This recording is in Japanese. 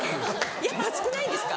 やっぱ少ないんですか？